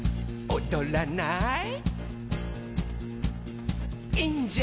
「おどらない？」